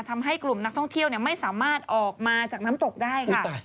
ทำให้กลุ่มนักท่องเที่ยวไม่สามารถออกมาจากน้ำตกได้ค่ะ